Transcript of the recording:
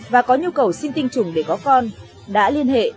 và có nhu cầu xin tinh trùng để có con đã liên hệ